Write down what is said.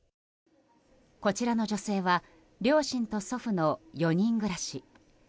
こちらの女性は両親と祖父の４人暮らし。